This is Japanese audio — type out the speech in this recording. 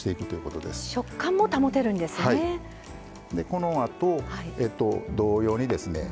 このあと同様にですね